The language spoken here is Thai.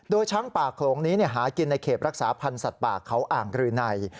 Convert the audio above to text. โดยช้างป่าโขลงนี้หากินในเขตรักษาพันธ์สัตว์ป่าเขาอ่างรืนัย